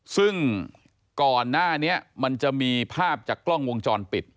ซึ่งก่อนหน้านี้มันจะมีภาพจากกล้องวงจรปิด